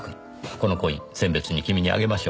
このコイン餞別に君にあげましょう。